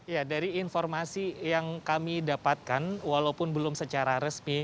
ya dari informasi yang kami dapatkan walaupun belum secara resmi